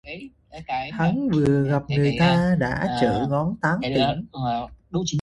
Hắn vừa gặp người ta đã trở ngón tán tỉnh